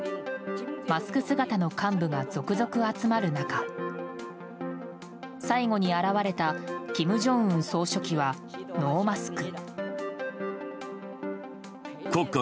マスク姿の幹部が続々集まる中最後に現れた金正恩総書記はノーマスク。